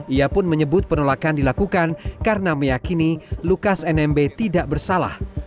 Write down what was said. ia pun menyebut penolakan dilakukan karena meyakini lukas nmb tidak bersalah